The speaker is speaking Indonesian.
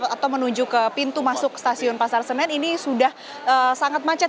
atau menuju ke pintu masuk stasiun pasar senen ini sudah sangat macet